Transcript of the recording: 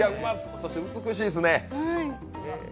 そして美しいですね。